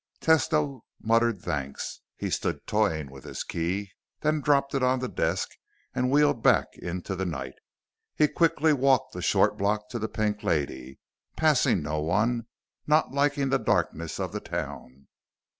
Tesno muttered thanks. He stood toying with his key, then dropped it on the desk and wheeled back into the night. He quickly walked the short block to the Pink Lady, passing no one, not liking the darkness of the town.